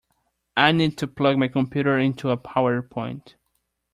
I need to plug my computer into a power point